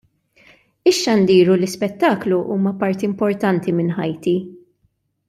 Ix-xandir u l-ispettaklu huma parti importanti minn ħajti.